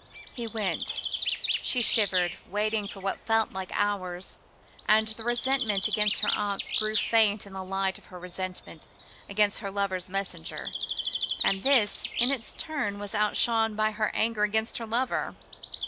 He went. She shivered, waiting for what felt like hours. And the resentment against her aunts grew faint in the light of her resentment against her lover's messenger, and this, in its turn, was outshone by her anger against her lover.